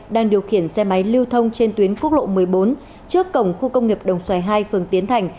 đang điều khiển xe máy lưu thông trên tuyến quốc lộ một mươi bốn trước cổng khu công nghiệp đồng xoài hai phường tiến thành